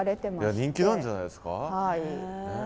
人気なんじゃないですか。